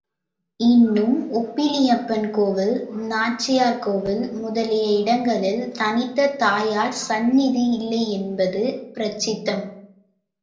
இன்னும் ஒப்பிலியப்பன் கோயில், நாச்சியார் கோயில் முதலிய இடங்களில் தனித்த தாயார் சந்நிதி இல்லை என்பது பிரசித்தம்.